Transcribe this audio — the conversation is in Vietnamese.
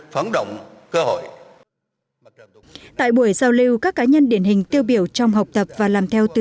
phản động cơ hội tại buổi giao lưu các cá nhân điển hình tiêu biểu trong học tập và làm theo tư